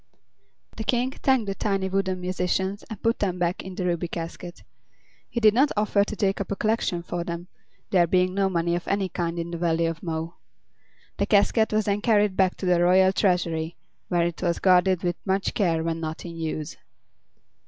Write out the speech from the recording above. The King thanked the tiny wooden musicians and put them back in the Ruby Casket. He did not offer to take up a collection for them, there being no money of any kind in the Valley of Mo. The casket was then carried back to the royal treasury, where it was guarded with much care when not in use.